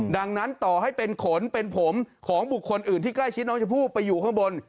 ดังนั้นต่อให้เป็นขนเป็นผมของบุคคลอื่นที่ใกล้ชิดน้องชมพู่ไปอยู่ข้างบน